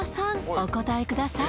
お答えください